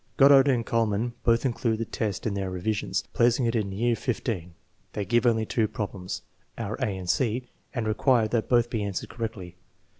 Goddard and Kuhl mann both include the test in their revisions, placing it in year XV. They give only two problems (our a and c) and require that both be answered correctly.